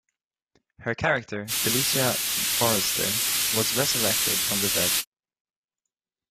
Her character, Felicia Forrester was resurrected from the dead.